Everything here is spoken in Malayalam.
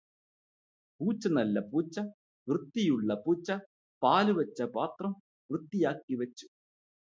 പൂച്ച നല്ല പൂച്ച വൃത്തിയുള്ള പൂച്ച പാലു വച്ച പാത്രം വൃത്തിയാക്കി വച്ചു.